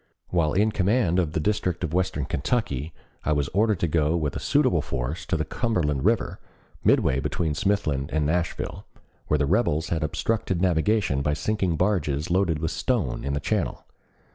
While in command of the district of western Kentucky I was ordered to go with a suitable force to the Cumberland River, midway between Smithland and Nashville, where the rebels had obstructed navigation by sinking barges loaded with stone in the channel.